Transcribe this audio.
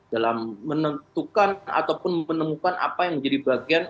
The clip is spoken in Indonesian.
dalam menentukan ataupun menemukan apa yang menjadi bagian